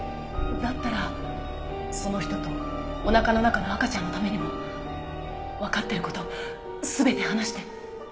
だったらその人とおなかの中の赤ちゃんのためにもわかってる事全て話して。